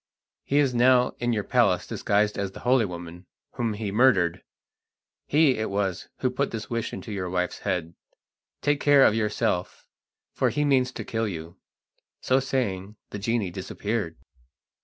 He is now in your palace disguised as the holy woman whom he murdered. He it was who put that wish into your wife's head. Take care of yourself, for he means to kill you." So saying the genie disappeared.